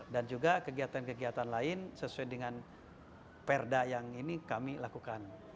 dan juga kegiatan kegiatan lain sesuai dengan perda yang ini kami lakukan